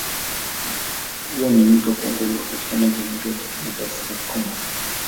Huo ni mto Congo unaopatikana Jamhuri ya Kidemokrasia ya Congo